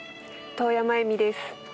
遠山恵美です。